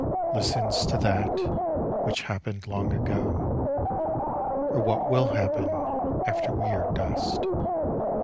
Listens to that which happen 'd long ago, ( >r what will happen utter we are dust.